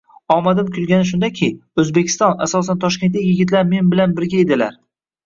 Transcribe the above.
Omadim kulgani shundaki, Oʻzbekiston, asosan toshkentlik yigitlar men bilan birga edilar.